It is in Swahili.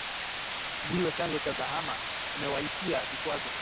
Ndiwe chanzo cha zahama, umewaitia vikwazo,